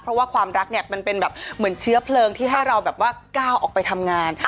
เพราะว่าความรักเนี่ยมันเป็นแบบเหมือนเชื้อเพลิงที่ให้เราแบบว่าก้าวออกไปทำงาน